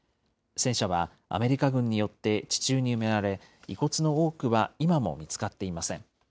戦車はアメリカ軍によって地中に埋められ、遺骨の多くは今も見つかっていません。